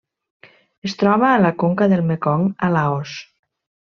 Es troba a la conca del Mekong a Laos.